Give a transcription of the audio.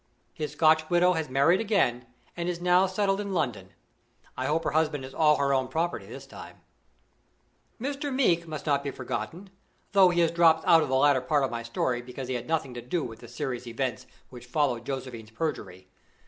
His Scotch widow has married again, and is now settled in London. I hope her husband is all her own property this time. Mr. Meeke must not be forgotten, although he has dropped out of the latter part of my story because he had nothing to do with the serious events which followed Josephine's perjury.